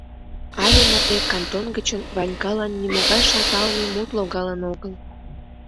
Але марте кантон гычын Ванькалан нимогай шылталыме мут логалын огыл.